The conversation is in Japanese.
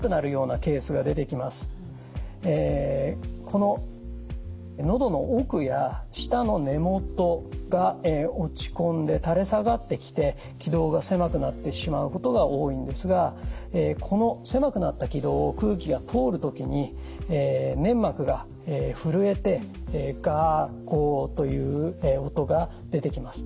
こののどの奥や舌の根もとが落ち込んで垂れ下がってきて気道が狭くなってしまうことが多いんですがこの狭くなった気道を空気が通る時に粘膜が震えて「ガ」「ゴ」という音が出てきます。